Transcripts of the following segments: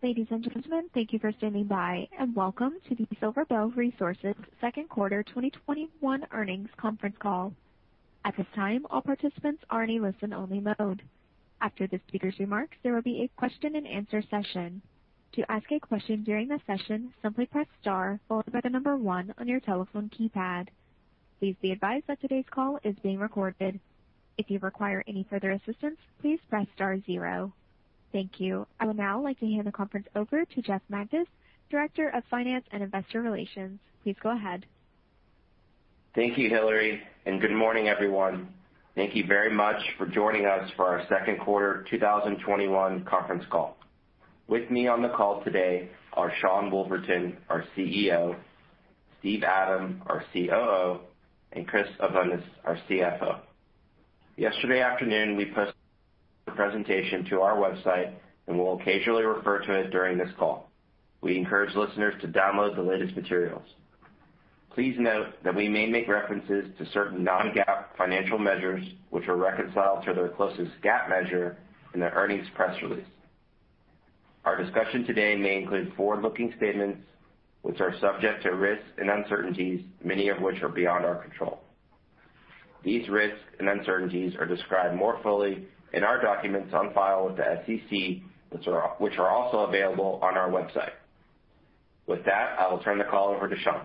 Ladies and gentlemen, thank you for standing by, and welcome to the SilverBow Resources second quarter 2021 earnings conference call. At this time, all participants are in a listen-only mode. After the speakers' remarks, there will be a question and answer session. To ask a question during the session, simply press star followed by the number one on your telephone keypad. Please be advised that today's call is being recorded. If you require any further assistance, please press star zero. Thank you. I would now like to hand the conference over to Jeff Magids, Director of Finance and Investor Relations. Please go ahead. Thank you, Hillary, and good morning, everyone. Thank you very much for joining us for our second quarter 2021 conference call. With me on the call today are Sean Woolverton, our CEO, Steven Adam, our COO, and Christopher Abundis, our CFO. Yesterday afternoon, we posted a presentation to our website and will occasionally refer to it during this call. We encourage listeners to download the latest materials. Please note that we may make references to certain non-GAAP financial measures, which are reconciled to their closest GAAP measure in the earnings press release. Our discussion today may include forward-looking statements, which are subject to risks and uncertainties, many of which are beyond our control. These risks and uncertainties are described more fully in our documents on file with the SEC, which are also available on our website. With that, I will turn the call over to Sean.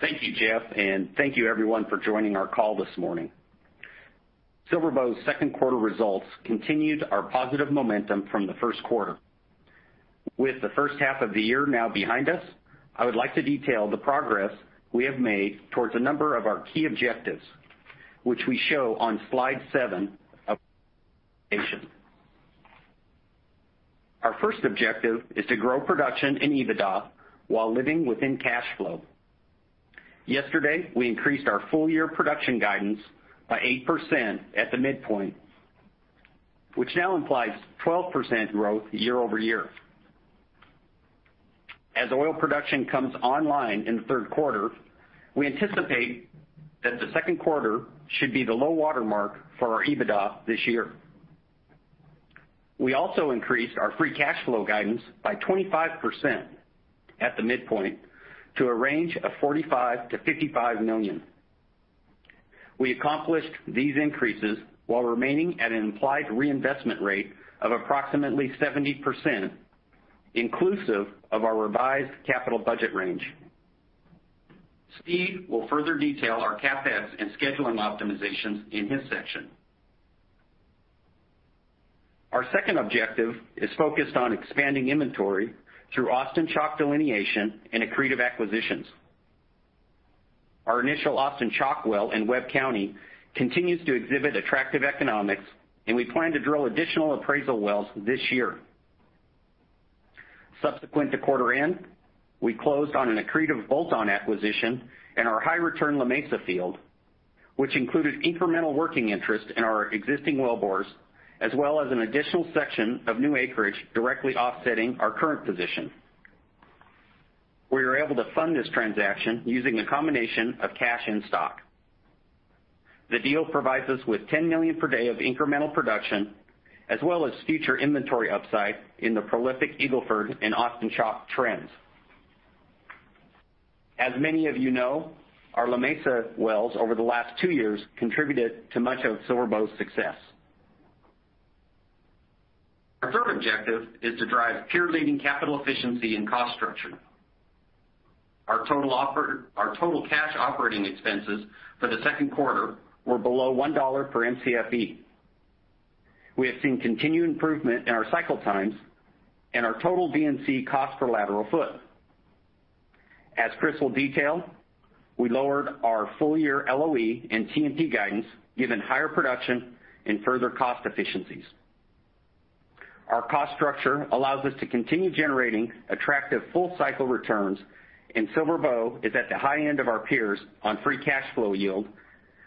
Thank you, Jeff, and thank you everyone for joining our call this morning. SilverBow's second quarter results continued our positive momentum from the first quarter. With the first half of the year now behind us, I would like to detail the progress we have made towards a number of our key objectives, which we show on slide seven of the presentation. Our first objective is to grow production and EBITDA while living within cash flow. Yesterday, we increased our full-year production guidance by 8% at the midpoint, which now implies 12% growth year-over-year. As oil production comes online in the third quarter, we anticipate that the second quarter should be the low water mark for our EBITDA this year. We also increased our free cash flow guidance by 25% at the midpoint to a range of $45 million-$55 million. We accomplished these increases while remaining at an implied reinvestment rate of approximately 70%, inclusive of our revised capital budget range. Steve will further detail our CapEx and scheduling optimizations in his section. Our second objective is focused on expanding inventory through Austin Chalk delineation and accretive acquisitions. Our initial Austin Chalk well in Webb County continues to exhibit attractive economics, and we plan to drill additional appraisal wells this year. Subsequent to quarter end, we closed on an accretive bolt-on acquisition in our high-return La Mesa field, which included incremental working interest in our existing well bores, as well as an additional section of new acreage directly offsetting our current position. We were able to fund this transaction using a combination of cash and stock. The deal provides us with 10 million per day of incremental production, as well as future inventory upside in the prolific Eagle Ford and Austin Chalk trends. As many of you know, our La Mesa wells over the last two years contributed to much of SilverBow's success. Our third objective is to drive peer-leading capital efficiency and cost structure. Our total cash operating expenses for the second quarter were below $1 per Mcfe. We have seen continued improvement in our cycle times and our total D&C cost per lateral foot. As Chris will detail, we lowered our full-year LOE and T&P guidance given higher production and further cost efficiencies. Our cost structure allows us to continue generating attractive full-cycle returns, and SilverBow is at the high end of our peers on free cash flow yield,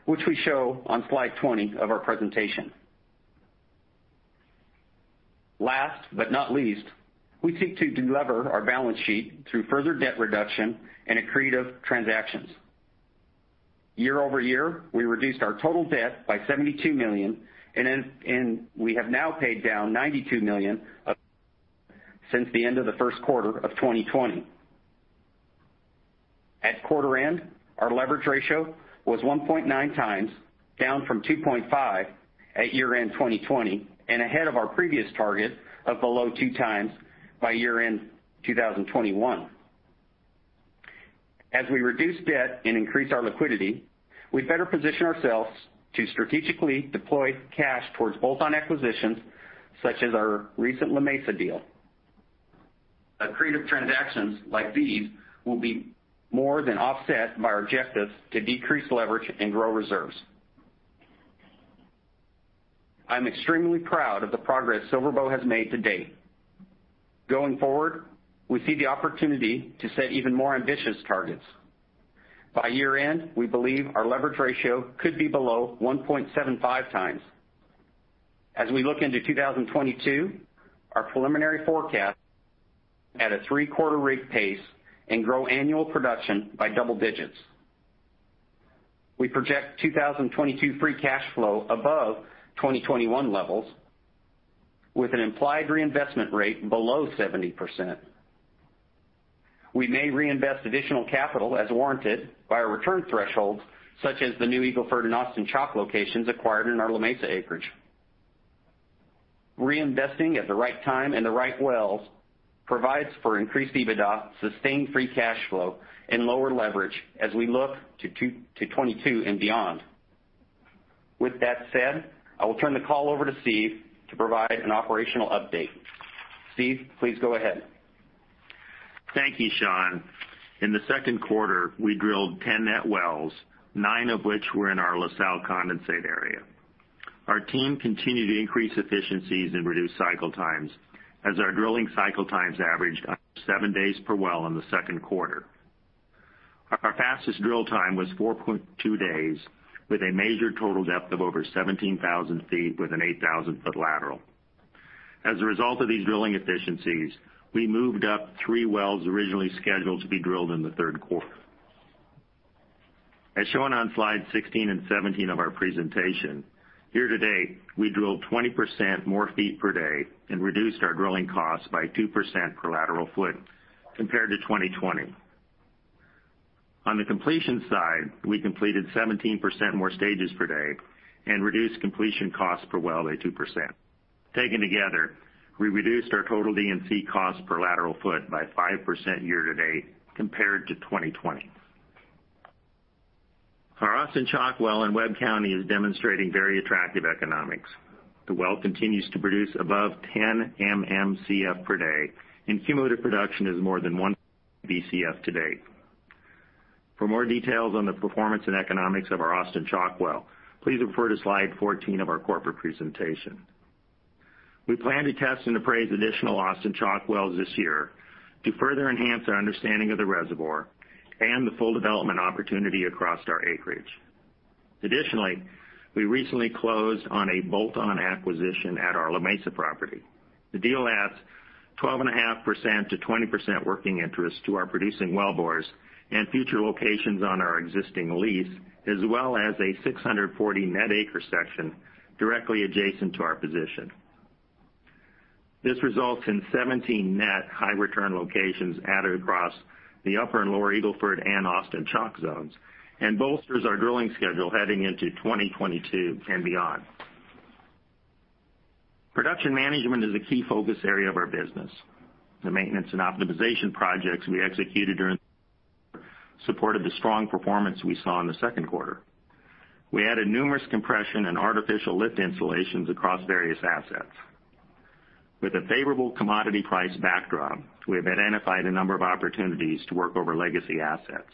which we show on slide 20 of our presentation. Last but not least, we seek to delever our balance sheet through further debt reduction and accretive transactions. Year-over-year, we reduced our total debt by $72 million, and we have now paid down $92 million since the end of the first quarter of 2020. At quarter end, our leverage ratio was 1.9x, down from 2.5 at year-end 2020 and ahead of our previous target of below 2x by year-end 2021. As we reduce debt and increase our liquidity, we better position ourselves to strategically deploy cash towards bolt-on acquisitions, such as our recent La Mesa deal. Accretive transactions like these will be more than offset by our objectives to decrease leverage and grow reserves. I'm extremely proud of the progress SilverBow has made to date. Going forward, we see the opportunity to set even more ambitious targets. By year end, we believe our leverage ratio could be below 1.75x. As we look into 2022, our preliminary forecast at a 3-quarter rig pace and grow annual production by double digits. We project 2022 free cash flow above 2021 levels with an implied reinvestment rate below 70%. We may reinvest additional capital as warranted by our return thresholds, such as the new Eagle Ford and Austin Chalk locations acquired in our La Mesa acreage. Reinvesting at the right time in the right wells provides for increased EBITDA, sustained free cash flow, and lower leverage as we look to 2022 and beyond. With that said, I will turn the call over to Steve to provide an operational update. Steve, please go ahead. Thank you, Sean. In the second quarter, we drilled 10 net wells, nine of which were in our La Salle condensate area. Our team continued to increase efficiencies and reduce cycle times as our drilling cycle times averaged under 7 days per well in the second quarter. Our fastest drill time was 4.2 days with a measured total depth of over 17,000 ft with an 8,000-foot lateral. As a result of these drilling efficiencies, we moved up 3 wells originally scheduled to be drilled in the third quarter. As shown on slides 16 and 17 of our presentation, year to date, we drilled 20% more feet per day and reduced our drilling costs by 2% per lateral foot compared to 2020. On the completion side, we completed 17% more stages per day and reduced completion costs per well by 2%. Taken together, we reduced our total D&C costs per lateral foot by 5% year to date compared to 2020. Our Austin Chalk well in Webb County is demonstrating very attractive economics. The well continues to produce above 10 MMcf per day, and cumulative production is more than 1 Bcf to date. For more details on the performance and economics of our Austin Chalk well, please refer to slide 14 of our corporate presentation. We plan to test and appraise additional Austin Chalk wells this year to further enhance our understanding of the reservoir and the full development opportunity across our acreage. Additionally, we recently closed on a bolt-on acquisition at our La Mesa property. The deal adds 12.5%-20% working interest to our producing well bores and future locations on our existing lease, as well as a 640 net acres section directly adjacent to our position. This results in 17 net high return locations added across the upper and lower Eagle Ford and Austin Chalk zones and bolsters our drilling schedule heading into 2022 and beyond. Production management is a key focus area of our business. The maintenance and optimization projects we executed during supported the strong performance we saw in the second quarter. We added numerous compression and artificial lift installations across various assets. With a favorable commodity price backdrop, we have identified a number of opportunities to work over legacy assets.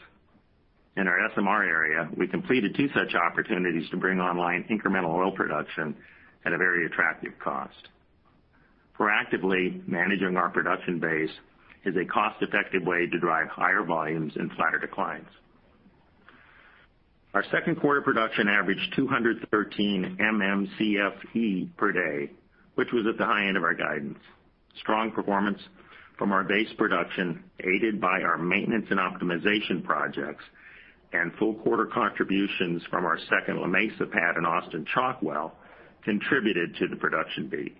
In our SMR area, we completed two such opportunities to bring online incremental oil production at a very attractive cost. Proactively managing our production base is a cost-effective way to drive higher volumes and flatter declines. Our second quarter production averaged 213 MMcfe per day, which was at the high end of our guidance. Strong performance from our base production, aided by our maintenance and optimization projects and full quarter contributions from our second La Mesa pad and Austin Chalk well contributed to the production beat.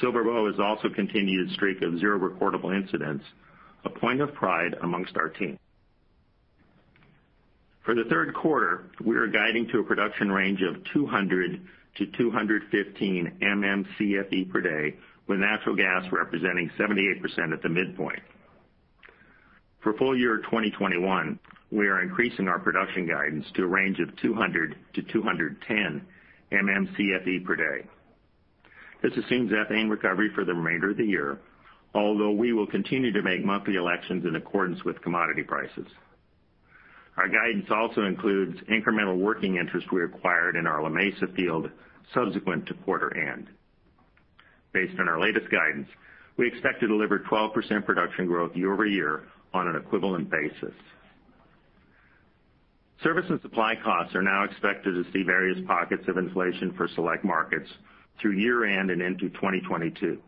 SilverBow has also continued its streak of zero recordable incidents, a point of pride amongst our team. For the third quarter, we are guiding to a production range of 200-215 MMcfe per day, with natural gas representing 78% at the midpoint. For full year 2021, we are increasing our production guidance to a range of 200-210 MMcfe per day. This assumes ethane recovery for the remainder of the year, although we will continue to make monthly elections in accordance with commodity prices. Our guidance also includes incremental working interest we acquired in our La Mesa field subsequent to quarter end. Based on our latest guidance, we expect to deliver 12% production growth year-over-year on an equivalent basis. Service and supply costs are now expected to see various pockets of inflation for select markets through year-end and into 2022.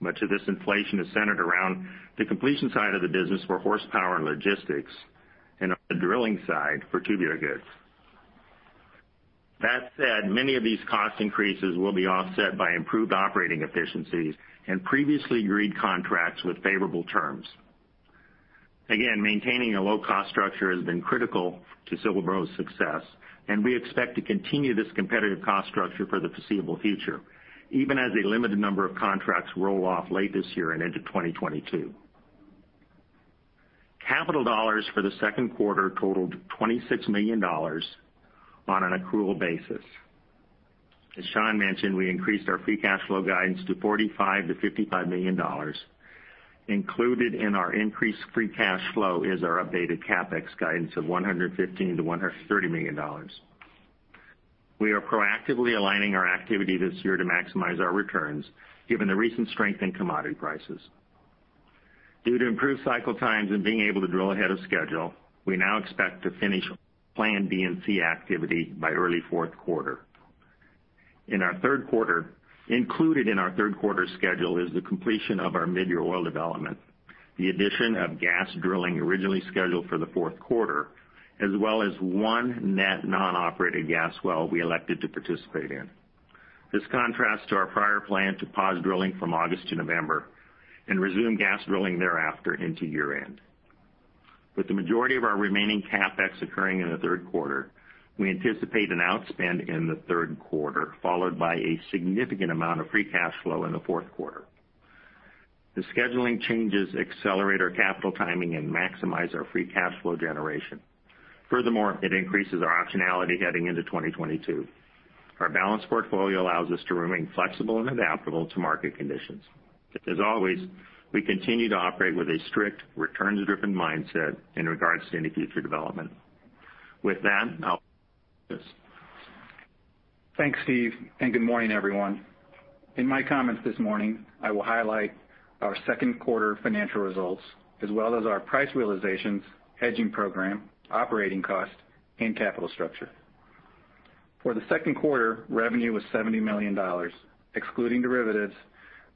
Much of this inflation is centered around the completion side of the business for horsepower and logistics, and on the drilling side for tubular goods. That said, many of these cost increases will be offset by improved operating efficiencies and previously agreed contracts with favorable terms. Again, maintaining a low-cost structure has been critical to SilverBow's success, and we expect to continue this competitive cost structure for the foreseeable future, even as a limited number of contracts roll off late this year and into 2022. Capital dollars for the 2nd quarter totaled $26 million on an accrual basis. As Sean mentioned, we increased our free cash flow guidance to $45 million-$55 million. Included in our increased free cash flow is our updated CapEx guidance of $115 million-$130 million. We are proactively aligning our activity this year to maximize our returns given the recent strength in commodity prices. Due to improved cycle times and being able to drill ahead of schedule, we now expect to finish planned D&C activity by early fourth quarter. In our third quarter, included in our third quarter schedule is the completion of our midyear oil development, the addition of gas drilling originally scheduled for the fourth quarter, as well as one net non-operated gas well we elected to participate in. This contrasts to our prior plan to pause drilling from August to November and resume gas drilling thereafter into year-end. With the majority of our remaining CapEx occurring in the third quarter, we anticipate an outspend in the third quarter, followed by a significant amount of free cash flow in the fourth quarter. The scheduling changes accelerate our capital timing and maximize our free cash flow generation. Furthermore, it increases our optionality heading into 2022. Our balanced portfolio allows us to remain flexible and adaptable to market conditions. As always, we continue to operate with a strict returns-driven mindset in regards to any future development. With that, I'll pass it to Chris. Thanks, Steve, and good morning, everyone. In my comments this morning, I will highlight our second quarter financial results as well as our price realizations, hedging program, operating cost, and capital structure. For the second quarter, revenue was $70 million, excluding derivatives,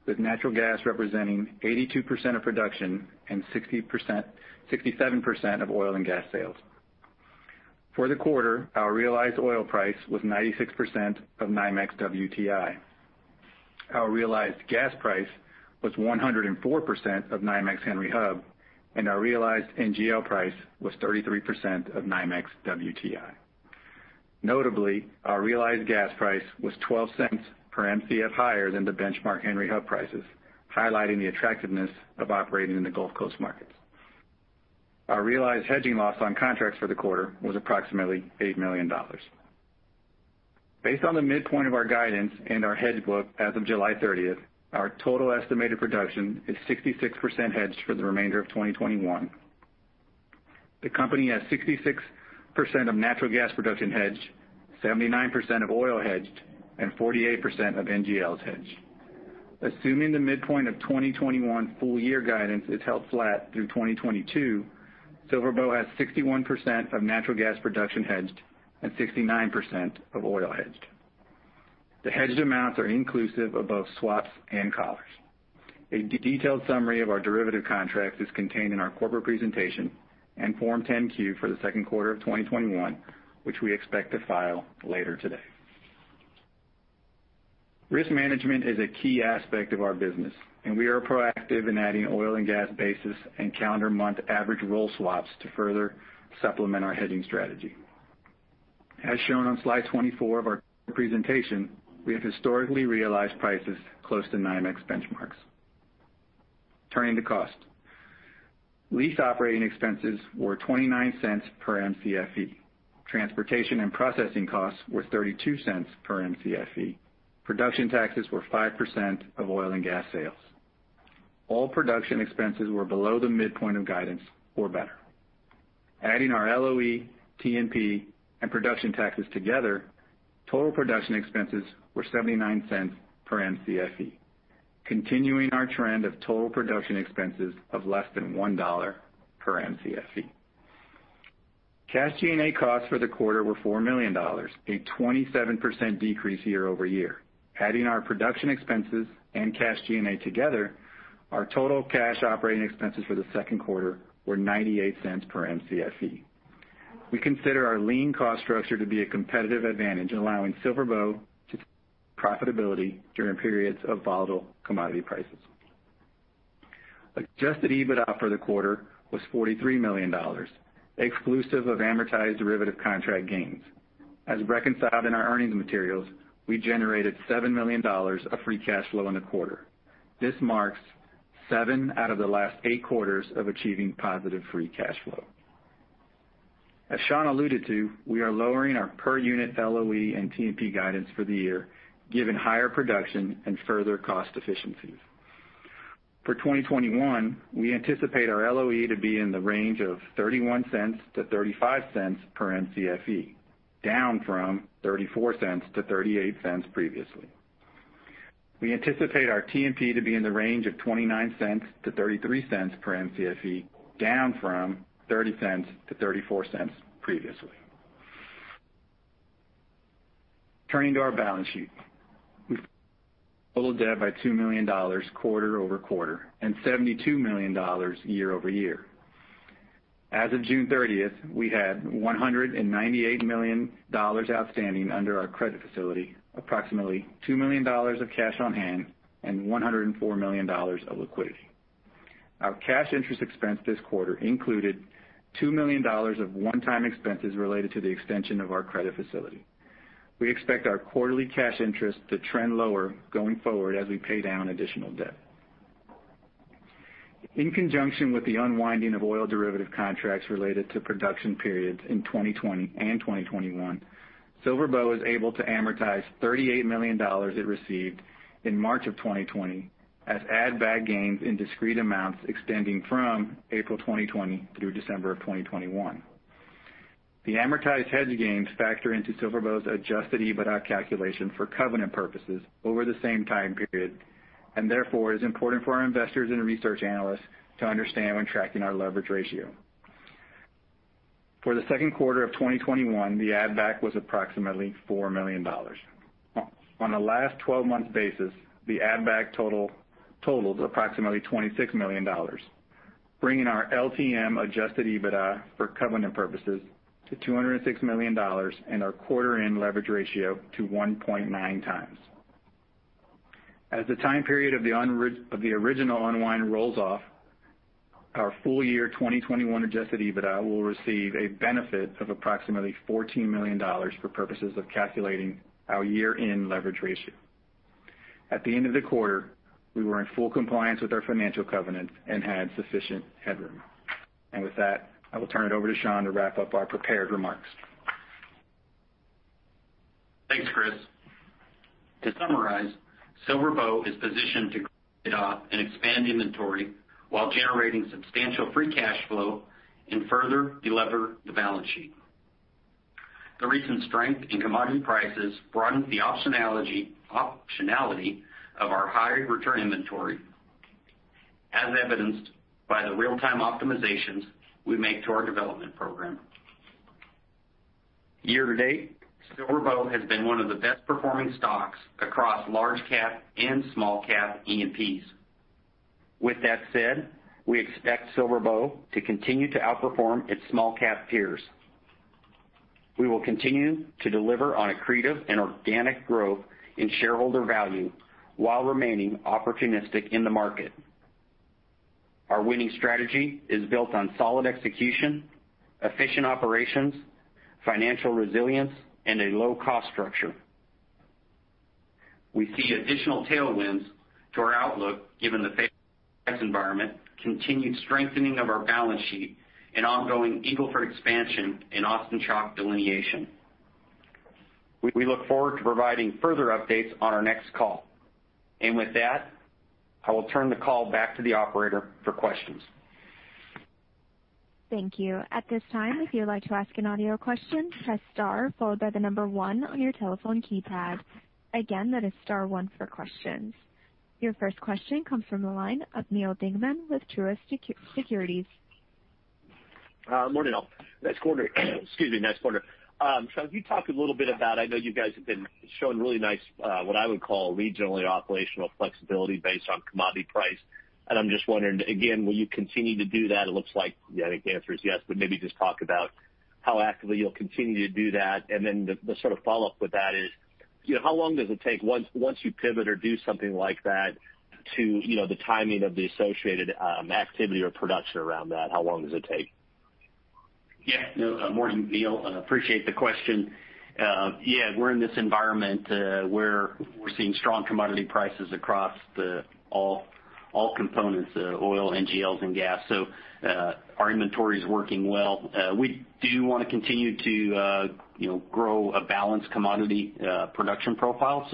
with natural gas representing 82% of production and 67% of oil and gas sales. For the quarter, our realized oil price was 96% of NYMEX WTI. Our realized gas price was 104% of NYMEX Henry Hub, and our realized NGL price was 33% of NYMEX WTI. Notably, our realized gas price was $0.12 per Mcf higher than the benchmark Henry Hub prices, highlighting the attractiveness of operating in the Gulf Coast markets. Our realized hedging loss on contracts for the quarter was approximately $8 million. Based on the midpoint of our guidance and our hedge book as of July 30th, our total estimated production is 66% hedged for the remainder of 2021. The company has 66% of natural gas production hedged, 79% of oil hedged, and 48% of NGLs hedged. Assuming the midpoint of 2021 full-year guidance is held flat through 2022, SilverBow has 61% of natural gas production hedged and 69% of oil hedged. The hedged amounts are inclusive of both swaps and collars. A detailed summary of our derivative contracts is contained in our corporate presentation and Form 10-Q for the second quarter of 2021, which we expect to file later today. Risk management is a key aspect of our business, and we are proactive in adding oil and gas basis and calendar month average roll swaps to further supplement our hedging strategy. As shown on slide 24 of our presentation, we have historically realized prices close to NYMEX benchmarks. Turning to cost. Lease operating expenses were $0.29 per Mcfe. Transportation and processing costs were $0.32 per Mcfe. Production taxes were 5% of oil and gas sales. All production expenses were below the midpoint of guidance or better. Adding our LOE, T&P, and production taxes together, total production expenses were $0.79 per Mcfe, continuing our trend of total production expenses of less than $1 per Mcfe. Cash G&A costs for the quarter were $4 million, a 27% decrease year-over-year. Adding our production expenses and cash G&A together, our total cash operating expenses for the second quarter were $0.98 per Mcfe. We consider our lean cost structure to be a competitive advantage, allowing SilverBow to profitably during periods of volatile commodity prices. Adjusted EBITDA for the quarter was $43 million, exclusive of amortized derivative contract gains. As reconciled in our earnings materials, we generated $7 million of free cash flow in the quarter. This marks seven out of the last eight quarters of achieving positive free cash flow. As Sean alluded to, we are lowering our per-unit LOE and T&P guidance for the year, given higher production and further cost efficiencies. For 2021, we anticipate our LOE to be in the range of $0.31-$0.35 per Mcfe, down from $0.34-$0.38 previously. We anticipate our T&P to be in the range of $0.29-$0.33 per Mcfe, down from $0.30-$0.34 previously. Turning to our balance sheet. We total debt by $2 million quarter-over-quarter and $72 million year-over-year. As of June 30th, we had $198 million outstanding under our credit facility, approximately $2 million of cash on hand, and $104 million of liquidity. Our cash interest expense this quarter included $2 million of one-time expenses related to the extension of our credit facility. We expect our quarterly cash interest to trend lower going forward as we pay down additional debt. In conjunction with the unwinding of oil derivative contracts related to production periods in 2020 and 2021, SilverBow was able to amortize $38 million it received in March 2020 as add-back gains in discrete amounts extending from April 2020 through December 2021. The amortized hedge gains factor into SilverBow's adjusted EBITDA calculation for covenant purposes over the same time period, and therefore it is important for our investors and research analysts to understand when tracking our leverage ratio. For the second quarter of 2021, the add back was approximately $4 million. On the last 12 months basis, the add back totals approximately $26 million, bringing our LTM adjusted EBITDA for covenant purposes to $206 million and our quarter end leverage ratio to 1.9 times. As the time period of the original unwind rolls off, our full year 2021 adjusted EBITDA will receive a benefit of approximately $14 million for purposes of calculating our year-end leverage ratio. At the end of the quarter, we were in full compliance with our financial covenant and had sufficient headroom. With that, I will turn it over to Sean to wrap up our prepared remarks. Thanks, Chris. To summarize, SilverBow is positioned to and expand inventory while generating substantial free cash flow and further de-lever the balance sheet. The recent strength in commodity prices broadened the optionality of our high return inventory, as evidenced by the real-time optimizations we make to our development program. Year-to-date, SilverBow has been one of the best-performing stocks across large cap and small cap E&P. With that said, we expect SilverBow to continue to outperform its small cap peers. We will continue to deliver on accretive and organic growth in shareholder value while remaining opportunistic in the market. Our winning strategy is built on solid execution, efficient operations, financial resilience, and a low-cost structure. We see additional tailwinds to our outlook given the environment, continued strengthening of our balance sheet, and ongoing Eagle Ford expansion and Austin Chalk delineation. We look forward to providing further updates on our next call. With that, I will turn the call back to the operator for questions. Thank you. At this time, if you'd like to ask an audio question, press star followed by the 1 on your telephone keypad. Again, that is star 1 for questions. Your first question comes from the line of Neal Dingmann with Truist Securities. Morning all. Nice quarter. Excuse me. Nice quarter. Sean, you talked a little bit about, I know you guys have been showing really nice, what I would call regional and operational flexibility based on commodity price. I'm just wondering, again, will you continue to do that? It looks like, I think the answer is yes, but maybe just talk about how actively you'll continue to do that. The sort of follow-up with that is, how long does it take once you pivot or do something like that to the timing of the associated activity or production around that? How long does it take? Yeah, Neal. Morning Neal, appreciate the question. Yeah, we're in this environment where we're seeing strong commodity prices across all components, oil, NGLs, and gas. Our inventory's working well. We do want to continue to grow a balanced commodity production profile.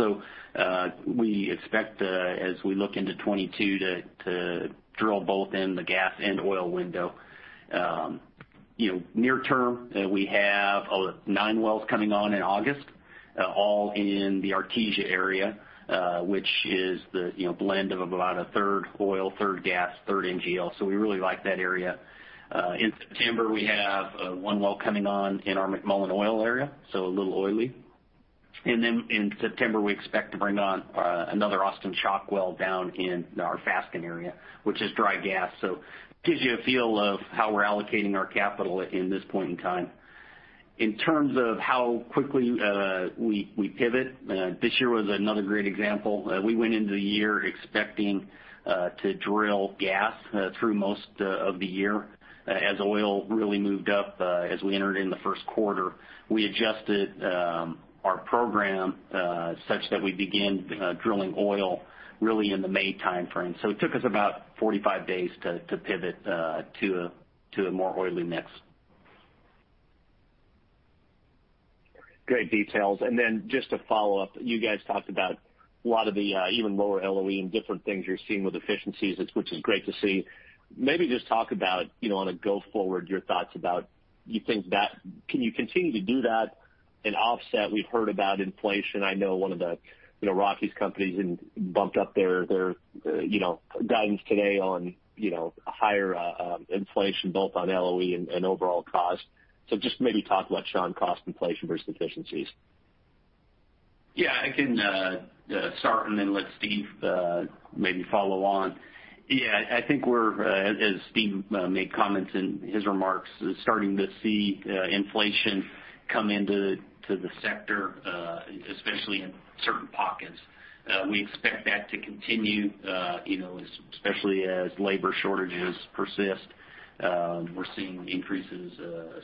We expect, as we look into 2022, to drill both in the gas and oil window. Near term, we have nine wells coming on in August, all in the Artesia area, which is the blend of about a third oil, third gas, third NGL. We really like that area. In September, we have one well coming on in our McMullen oil area, so a little oily. In September, we expect to bring on another Austin Chalk well down in our Fasken area, which is dry gas. Gives you a feel of how we're allocating our capital in this point in time. In terms of how quickly we pivot, this year was another great example. We went into the year expecting to drill gas through most of the year. As oil really moved up as we entered in the first quarter, we adjusted our program such that we began drilling oil really in the May timeframe. It took us about 45 days to pivot to a more oily mix. Great details. Just to follow up, you guys talked about a lot of the even lower LOE and different things you're seeing with efficiencies, which is great to see. Maybe just talk about, on a go forward, your thoughts about can you continue to do that and offset? We've heard about inflation. I know one of the Rockies companies bumped up their guidance today on higher inflation both on LOE and overall cost. Just maybe talk about, Sean, cost inflation versus efficiencies. I can start and then let Steve maybe follow on. I think we're, as Steve made comments in his remarks, starting to see inflation come into the sector, especially in certain pockets. We expect that to continue especially as labor shortages persist. We're seeing increases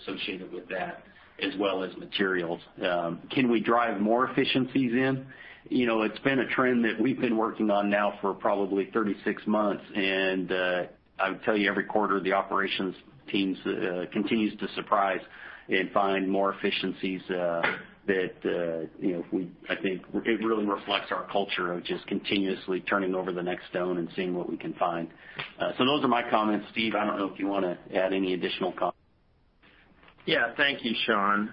associated with that as well as materials. Can we drive more efficiencies in? It's been a trend that we've been working on now for probably 36 months, and I would tell you every quarter, the operations teams continues to surprise and find more efficiencies that I think it really reflects our culture of just continuously turning over the next stone and seeing what we can find. Those are my comments. Steve, I don't know if you want to add any additional comments. Thank you, Sean.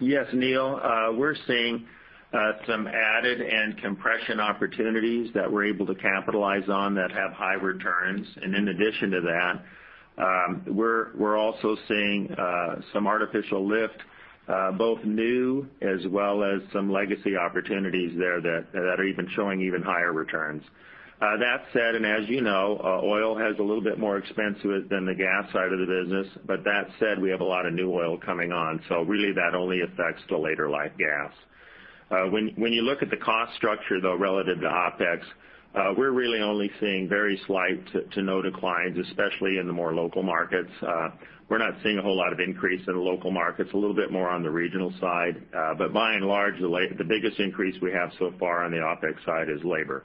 Neal, we're seeing some A&D opportunities that we're able to capitalize on that have high returns. In addition to that, we're also seeing some artificial lift, both new as well as some legacy opportunities there that are even showing even higher returns. That said, as you know, oil has a little bit more expense to it than the gas side of the business. That said, we have a lot of new oil coming on, really that only affects the later life gas. When you look at the cost structure, though, relative to OpEx, we're really only seeing very slight to no declines, especially in the more local markets. We're not seeing a whole lot of increase in the local markets, a little bit more on the regional side. By and large, the biggest increase we have so far on the OpEx side is labor.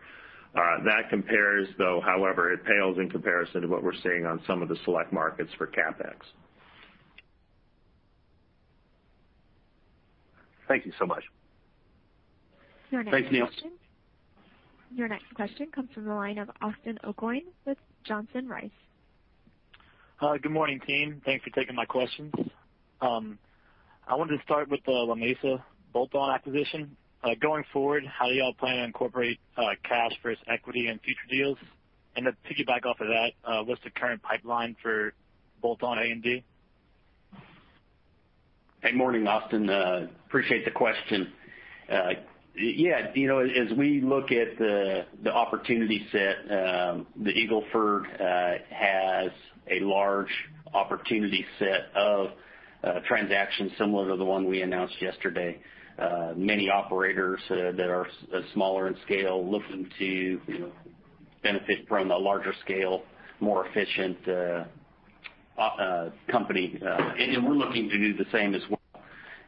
That compares, though, however, it pales in comparison to what we're seeing on some of the select markets for CapEx. Thank you so much. Thanks, Neal. Your next question comes from the line of Austin Aucoin with Johnson Rice. Hi. Good morning, team. Thanks for taking my questions. I wanted to start with the La Mesa bolt-on acquisition. Going forward, how do y'all plan to incorporate cash versus equity in future deals? To piggyback off of that, what's the current pipeline for bolt-on A&D? Good morning, Austin. Appreciate the question. As we look at the opportunity set, the Eagle Ford has a large opportunity set of transactions similar to the one we announced yesterday. Many operators that are smaller in scale are looking to benefit from a larger scale, more efficient company. We're looking to do the same as well.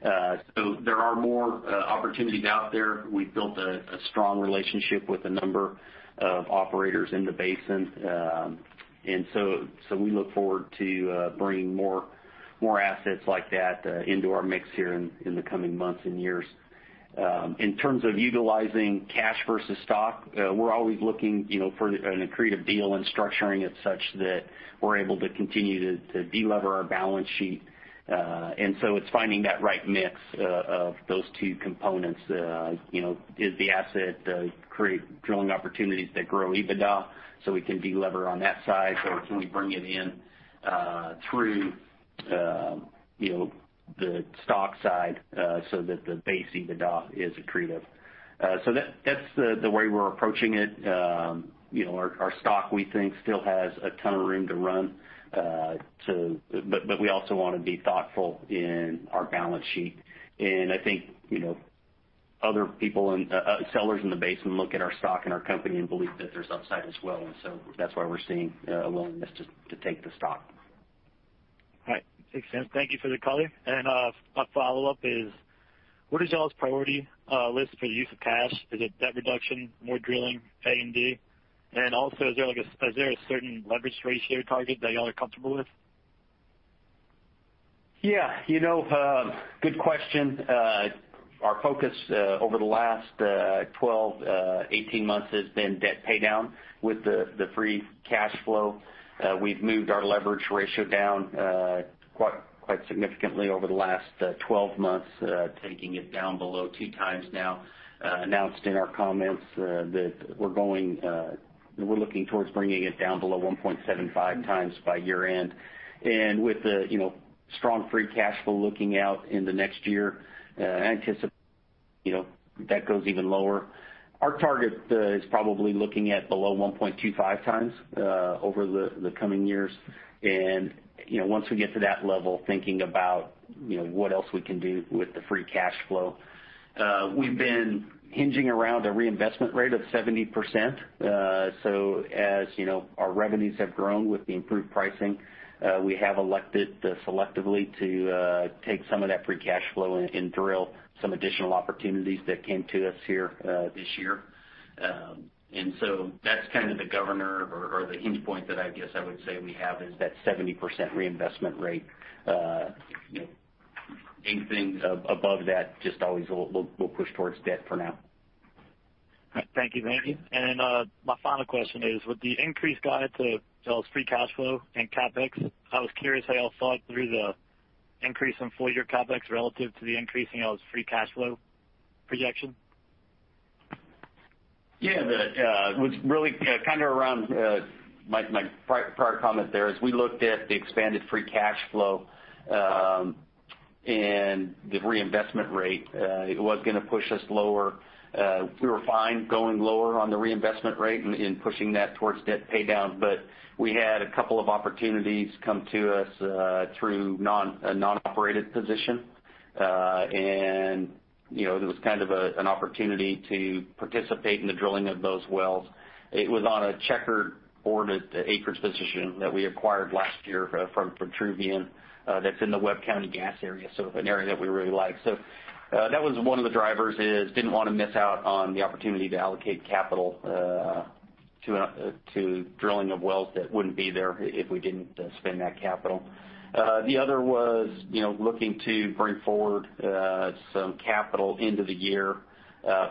There are more opportunities out there. We've built a strong relationship with a number of operators in the basin. We look forward to bringing more assets like that into our mix here in the coming months and years. In terms of utilizing cash versus stock, we're always looking for an accretive deal and structuring it such that we're able to continue to delever our balance sheet. It's finding that right mix of those two components. Is the asset create drilling opportunities that grow EBITDA so we can delever on that side? Can we bring it in through the stock side so that the base EBITDA is accretive? That's the way we're approaching it. Our stock, we think, still has a ton of room to run. We also want to be thoughtful in our balance sheet. I think, other sellers in the basin look at our stock and our company and believe that there's upside as well. That's why we're seeing a willingness to take the stock. All right. Makes sense. Thank you for the color. My follow-up is, what is y'all's priority list for the use of cash? Is it debt reduction, more drilling, A&D? Also, is there a certain leverage ratio target that y'all are comfortable with? Yeah. Good question. Our focus over the last 12, 18 months has been debt paydown with the free cash flow. We've moved our leverage ratio down quite significantly over the last 12 months, taking it down below 2x now. Announced in our comments that we're looking towards bringing it down below 1.75x by year-end. With the strong free cash flow looking out in the next year, I anticipate that goes even lower. Our target is probably looking at below 1.25x over the coming years. Once we get to that level, thinking about what else we can do with the free cash flow. We've been hinging around a reinvestment rate of 70%. As our revenues have grown with the improved pricing, we have elected selectively to take some of that free cash flow and drill some additional opportunities that came to us here this year. That's kind of the governor or the hinge point that I guess I would say we have is that 70% reinvestment rate. Anything above that just always we'll push towards debt for now. All right. Thank you, Randy. My final question is, with the increased guide to free cash flow and CapEx, I was curious how y'all thought through the increase in full-year CapEx relative to the increase in y'all's free cash flow projection. Yeah. That was really kind of around my prior comment there, as we looked at the expanded free cash flow and the reinvestment rate, it was going to push us lower. We were fine going lower on the reinvestment rate and pushing that towards debt paydown. We had a couple of opportunities come to us through a non-operated position. It was kind of an opportunity to participate in the drilling of those wells. It was on a checkerboard, an acreage position that we acquired last year from Vitruvian that's in the Webb County gas area, so an area that we really like. That was one of the drivers, is didn't want to miss out on the opportunity to allocate capital to drilling of wells that wouldn't be there if we didn't spend that capital. The other was looking to bring forward some capital into the year,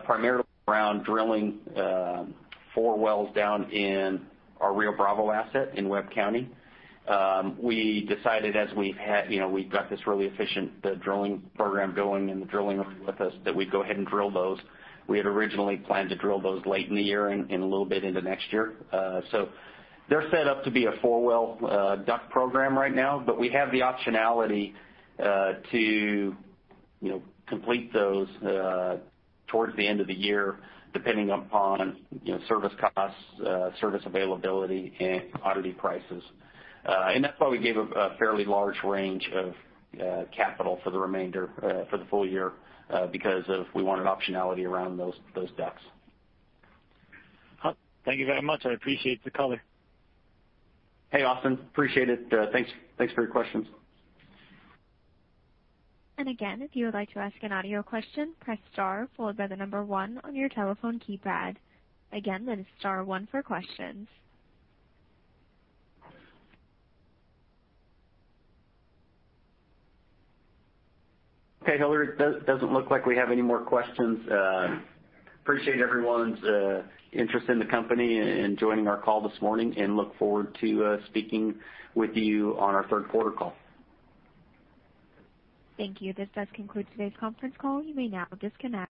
primarily around drilling four wells down in our Rio Bravo asset in Webb County. We decided as we've got this really efficient drilling program going and the drilling with us, that we'd go ahead and drill those. We had originally planned to drill those late in the year and a little bit into next year. They're set up to be a 4-well DUC program right now, but we have the optionality to complete those towards the end of the year, depending upon service costs, service availability, and commodity prices. That's why we gave a fairly large range of capital for the remainder for the full year because we wanted optionality around those DUCs. Thank you very much. I appreciate the color. Hey, Austin. Appreciate it. Thanks for your questions. Again, if you would like to ask an audio question, press star followed by 1 on your telephone keypad. Again, that is star one for questions. Okay, Hillary, it doesn't look like we have any more questions. Appreciate everyone's interest in the company and joining our call this morning, and look forward to speaking with you on our third quarter call. Thank you. This does conclude today's conference call. You may now disconnect.